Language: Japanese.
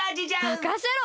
まかせろ！